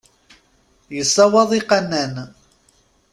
Yessawaḍ iqannan.